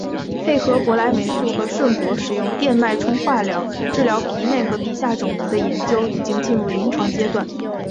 配合博莱霉素和顺铂使用电脉冲化疗治疗皮内和皮下肿瘤的研究已经进入临床阶段。